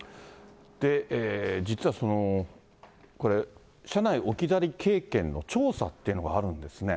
実はその、これ、車内置き去り経験の調査っていうのがあるんですね。